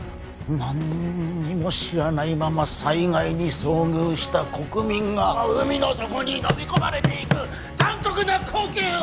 なんにも知らないまま災害に遭遇した国民が海の底に飲み込まれていく残酷な光景を！